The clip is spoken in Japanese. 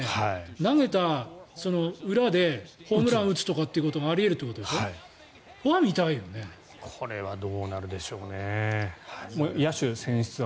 投げた裏でホームラン打つということがあり得るということでしょ。